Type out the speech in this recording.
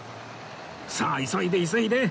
さあ急いで急いで！